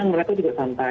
mereka juga santai